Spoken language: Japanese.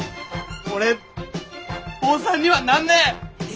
俺坊さんにはなんねえ！